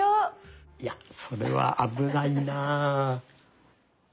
いやそれは危ないな。